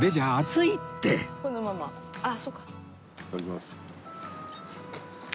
いただきます。